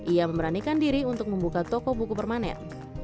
ia memberanikan diri untuk membuka toko buku permanen